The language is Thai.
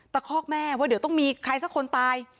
คอกแม่ว่าเดี๋ยวต้องมีใครสักคนตาย